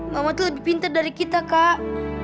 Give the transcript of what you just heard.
mama tuh lebih pintar dari kita kak